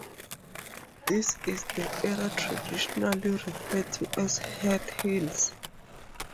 This is the area traditionally referred to as Hett Hills.